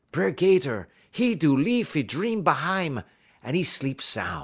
B'er 'Gater, he do leaf 'e dream bahine, un 'e sleep soun'.